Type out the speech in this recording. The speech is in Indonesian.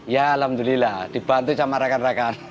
ya alhamdulillah dibantu sama rekan rekan